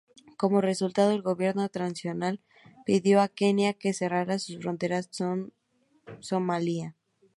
Como resultado, el Gobierno Transicional pidió a Kenia que cerrara su frontera con Somalia.